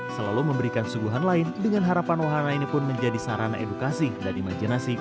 selalu memberikan suguhan lain dengan harapan wahana ini pun menjadi sarana edukasi dan imajinasi